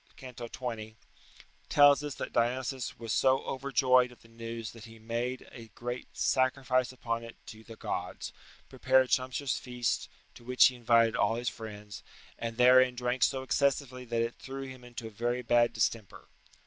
c. 20), tells us that Dionysius "was so overjoyed at the news that he made a great sacrifice upon it to the gods, prepared sumptuous feasts, to which he invited all his friends, and therein drank so excessively that it threw him into a very bad distemper."